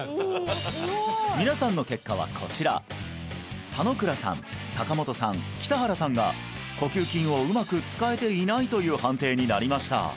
皆さんの結果はこちら田野倉さん坂本さん北原さんが呼吸筋をうまく使えていないという判定になりました